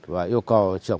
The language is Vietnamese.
với cấp phugen